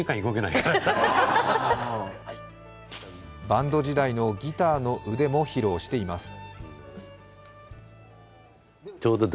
バンド時代のギターの腕も披露しています。